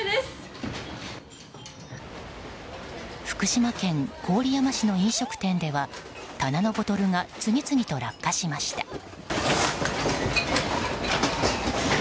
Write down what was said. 福島県郡山市の飲食店では棚のボトルが次々と落下しました。